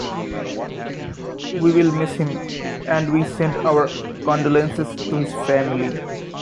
We will miss him, and we send our condolences to his family.